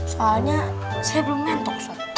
soalnya saya belum nyentuh ustadz